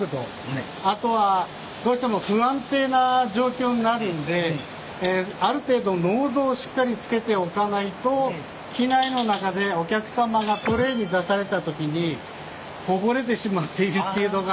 あとはどうしても不安定な状況になるんである程度濃度をしっかりつけておかないと機内の中でお客様がトレーに出された時にこぼれてしまっているっていうのが。